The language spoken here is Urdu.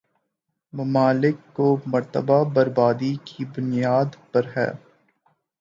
ممالک کو مرتبہ برابری کی بنیاد پر ہے